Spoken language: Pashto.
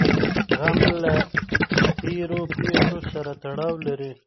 غم له تېرو پېښو سره تړاو لري.